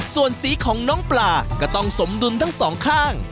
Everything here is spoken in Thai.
ส่วนสีของน้องปลาก็ต้องสมดุลทั้งสองข้าง